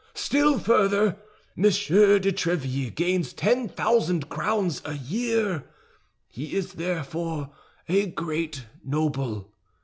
Still further, Monsieur de Tréville gains ten thousand crowns a year; he is therefore a great noble.